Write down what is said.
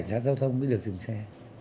thì cảnh sát giao thông mới được dừng xe